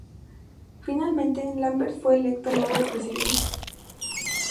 Finalmente, Lambert fue electo nuevo presidente.